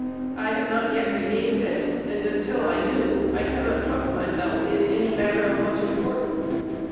I have not yet regained it; and, until I do, I cannot trust myself in any matter of much importance.